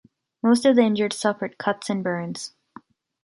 Most of the injured suffered cuts and burns,.